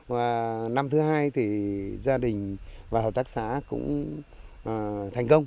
và năm thứ hai thì gia đình và hợp tác xã cũng thành công